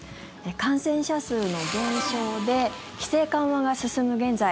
感染者数の減少で規制緩和が進む現在